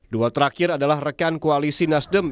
dua terakhir adalah rekan koalisi nasdem